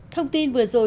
thông tin vừa rồi